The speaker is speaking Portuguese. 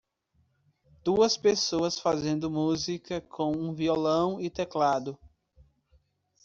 Duas pessoas fazendo música com um violão e teclado.